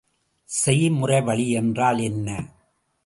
செய்முறைவழி என்றால் என்ன?